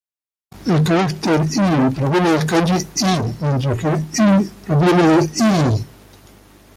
El carácter い proviene del kanji 以, mientras que イ proviene de 伊.